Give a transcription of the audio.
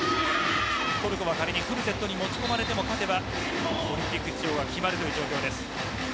仮にフルセットに持ち込まれても勝てばオリンピック出場は決まる状況です。